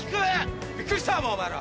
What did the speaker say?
びっくりしたもうお前ら。